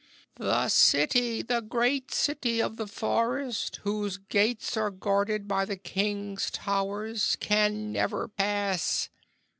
"The city the great city of the forest whose gates are guarded by the King's towers can never pass.